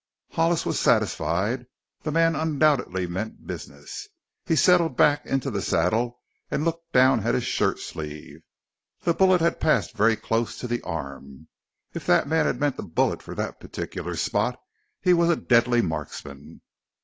Hollis was satisfied the man undoubtedly meant business. He settled back into the saddle and looked down at his shirt sleeve. The bullet had passed very close to the arm. If the man had meant the bullet for that particular spot he was a deadly marksman.